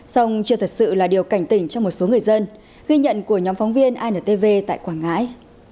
song chưa thật sự là điều cảnh tỉnh cho một số người dân ghi nhận của nhóm phóng viên intv tại quảng ngãi